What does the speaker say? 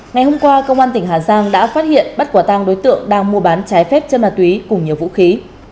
ngày hôm qua công an tỉnh hà giang đã phát hiện bắt quả tang đối tượng đang mua bán trái phép chân ma túy cùng nhiều vũ khí